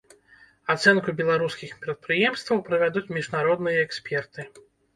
Ацэнку беларускіх прадпрыемстваў правядуць міжнародныя эксперты.